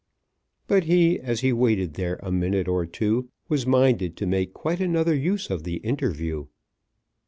But he, as he waited there a minute or two, was minded to make quite another use of the interview.